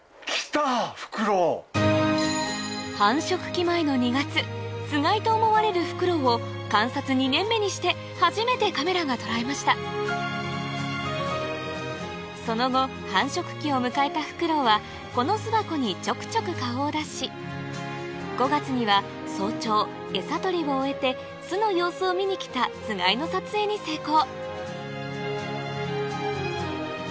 繁殖期前の２月つがいと思われるフクロウを観察２年目にして初めてカメラが捉えましたその後繁殖期を迎えたフクロウはこの巣箱にちょくちょく顔を出し５月には早朝餌取りを終えて巣の様子を見にきたつがいの撮影に成功